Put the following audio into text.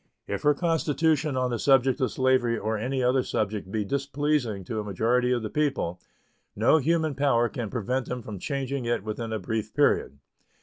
If her constitution on the subject of slavery or on any other subject be displeasing to a majority of the people, no human power can prevent them from changing it within a brief period.